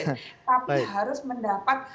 tapi harus mendapatkan